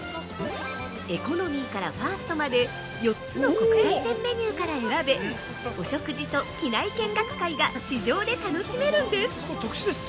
エコノミーからファーストまで４つの国際線メニューから選べ、お食事と機内見学会が地上で楽しめるんです！